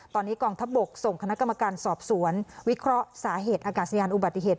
ตอนนี้กองทัพบกส่งคณะกรรมการสอบสวนวิเคราะห์สาเหตุอากาศยานอุบัติเหตุ